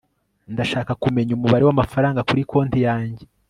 ndashaka kumenya umubare w'amafaranga kuri konti yanjye